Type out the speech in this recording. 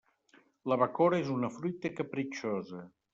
La bacora és una fruita capritxosa.